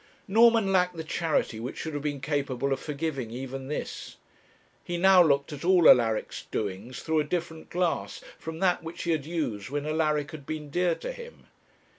Norman lacked the charity which should have been capable of forgiving even this. He now looked at all Alaric's doings through a different glass from that which he had used when Alaric had been dear to him.